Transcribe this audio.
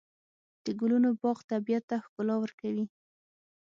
د ګلونو باغ طبیعت ته ښکلا ورکوي.